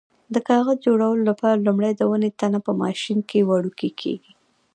د کاغذ جوړولو لپاره لومړی د ونې تنه په ماشین کې وړوکی کېږي.